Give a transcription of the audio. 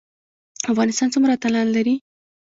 افغانستان څومره اتلان لري؟